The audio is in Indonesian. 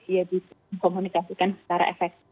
ya dikomunikasikan secara efek